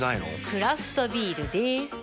クラフトビールでーす。